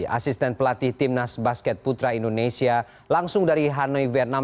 asisten pelatih timnas basket putra indonesia langsung dari hanoi vietnam